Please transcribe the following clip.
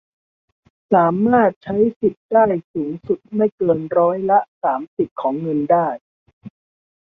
สามารถใช้สิทธิ์ได้สูงสุดไม่เกินร้อยละ สามสิบ ของเงินได้